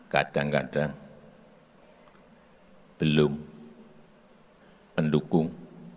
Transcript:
kadang kadang belum mendukung